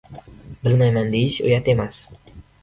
• “Bilmayman” deyish uyat emas.